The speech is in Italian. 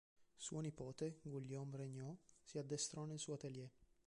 Suo nipote Guillaume Regnault si addestrò nel suo atelier.